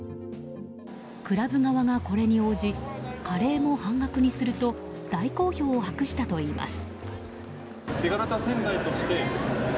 クラブ側がこれに応じカレーも半額にすると大好評を博したといいます。